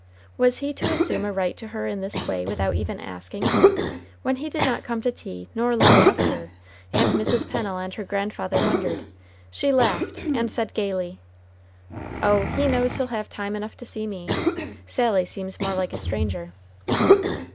Was he to assume a right to her in this way without even asking? When he did not come to tea nor long after, and Mrs. Pennel and her grandfather wondered, she laughed, and said gayly, "Oh, he knows he'll have time enough to see me. Sally seems more like a stranger."